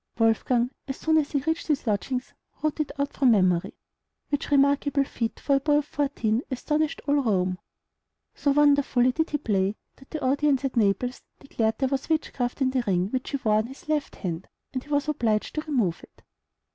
Wolfgang, as soon as he reached his lodgings, wrote it out from memory; which remarkable feat for a boy of fourteen astonished all Rome. So wonderfully did he play, that the audience at Naples declared there was witchcraft in the ring which he wore on his left hand, and he was obliged to remove it.